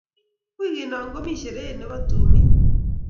Wikiino komii shereit ne bo tumiin.